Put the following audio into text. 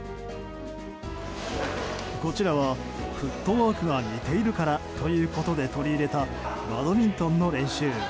こちらはフットワークが似ているからということで取り入れたバドミントンの練習。